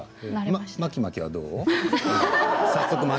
まきまきは、どう？